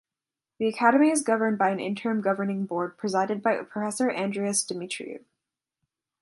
The Academy is governed by an Interim Governing Board presided by Professor Andreas Demetriou.